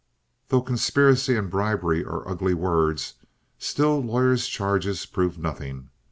Though conspiracy and bribery are ugly words, still lawyers' charges prove nothing.